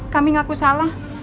kami ngaku salah